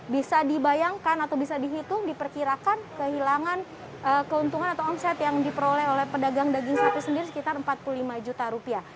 bisa dibayangkan atau bisa dihitung diperkirakan kehilangan keuntungan atau omset yang diperoleh oleh pedagang daging sapi sendiri sekitar empat puluh lima juta rupiah